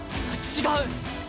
違う！